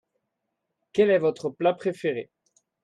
Quelle est votre plat préféré ?